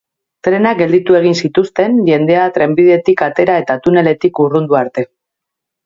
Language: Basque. Trenak gelditu egin zituzten, jendea trenbidetik atera eta tuneletik urrundu arte.